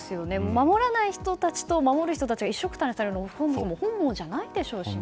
守らない人たちと守る人たちがいっしょくたにされるのは本望じゃないでしょうしね。